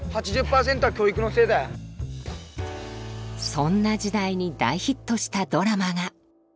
そんな時代に大ヒットしたドラマが。